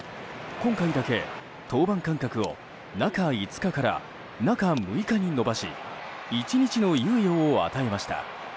今回だけ登板間隔を中５日から中６日に延ばし１日の猶予を与えました。